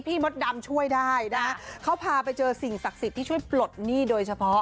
มดดำช่วยได้นะฮะเขาพาไปเจอสิ่งศักดิ์สิทธิ์ที่ช่วยปลดหนี้โดยเฉพาะ